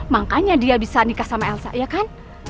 makanya dia bisa nikah sama elsa ya kan